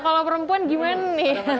kalau perempuan gimana nih